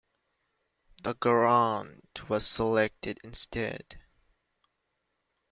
The Garand was selected instead.